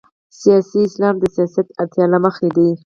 سیاسي اسلام د سیاست اړتیا له مخې ده.